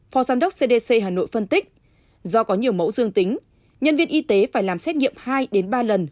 phó giám đốc cdc hà nội phân tích do có nhiều mẫu dương tính nhân viên y tế phải làm xét nghiệm hai ba lần